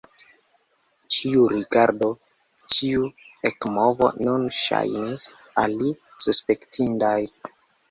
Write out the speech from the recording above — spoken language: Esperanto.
Ĉiu rigardo, ĉiu ekmovo nun ŝajnis al li suspektindaj.